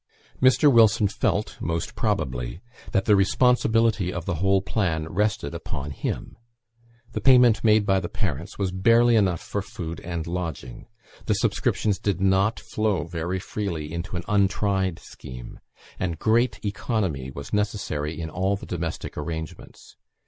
Mr. Wilson felt, most probably, that the responsibility of the whole plan rested upon him. The payment made by the parents was barely enough for food and lodging; the subscriptions did not flow very freely into an untried scheme; and great economy was necessary in all the domestic arrangements.